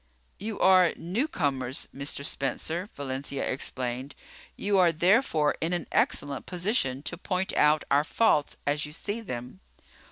"You are newcomers, Mr. Spencer," Valencia explained. "You are therefore in an excellent position to point out our faults as you see them."